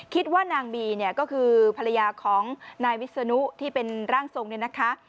คิดว่านางบีเนี่ยก็คือภรรยาของนายวิศนุที่เป็นร่างทรงเนี่ยนะคะ